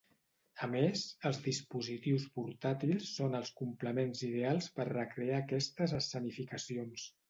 A més, els dispositius portàtils són els complements ideals per recrear aquestes escenificacions.